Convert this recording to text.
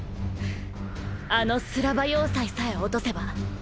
あのスラバ要塞さえ陥とせば。